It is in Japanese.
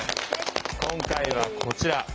今回はこちら。